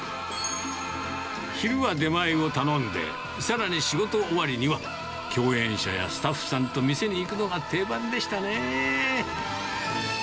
昼は出前を頼んで、さらに仕事終わりには、共演者やスタッフさんと店に行くのが定番でしたね。